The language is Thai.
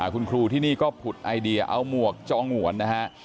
คุณครูที่นี่ก็ผุดไอเดียเอาหมวกจองวนนะฮะ